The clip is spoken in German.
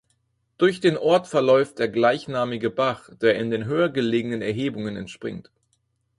Durch den Ort verläuft der gleichnamige Bach, der in den höher gelegenen Erhebungen entspringt.